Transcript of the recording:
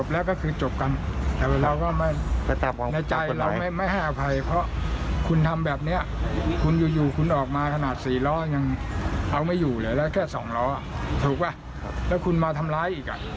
แล้วคุณมาทำร้ายอีกอะเห็นมั้ย